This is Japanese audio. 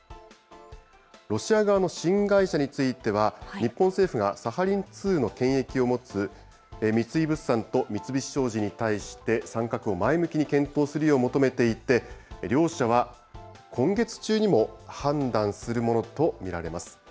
ロシア側の新会社については、日本政府がサハリン２の権益を持つ三井物産と三菱商事に対して、参画を前向きに検討するよう求めていて、両社は、今月中にも判断するものと見られます。